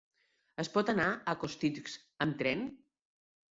Es pot anar a Costitx amb tren?